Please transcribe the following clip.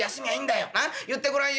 言ってごらんよ」。